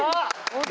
本当？